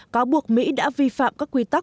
cáo buộc mỹ đã vi phạm các quy tắc